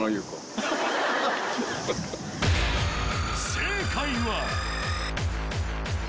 正解は？